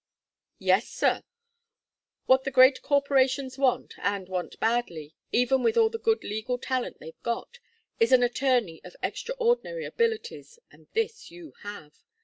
"Yes, sir. What the great corporations want, and want badly, even with all the good legal talent they've got, is an attorney of extraordinary abilities, and this you have.